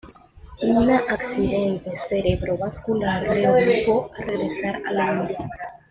Una Accidente cerebrovascular le obligó a regresar a la India.